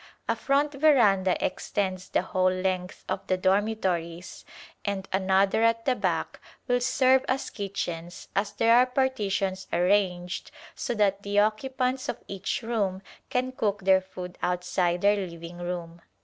A front veranda extends the whole length of the dormitories, and another at the back will serve as kitchens as there are partitions arranged so that the occupants of each room can cook their food outside their living room.